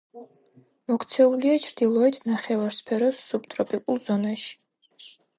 მოქცეულია ჩრდილოეთ ნახევარსფეროს სუბტროპიკულ ზონაში.